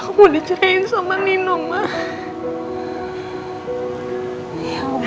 aku dusir lagi sama nino mbak